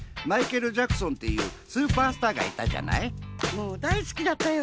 もうだい好きだったよ。